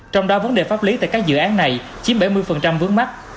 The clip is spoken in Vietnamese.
trong đó vấn đề pháp lý tại các dự án này chiếm bảy mươi vướng mắt